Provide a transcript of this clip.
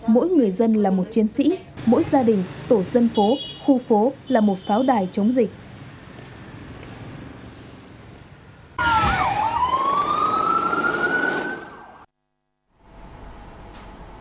mỗi người dân là một chiến sĩ mỗi gia đình tổ dân phố khu phố là một pháo đài chống dịch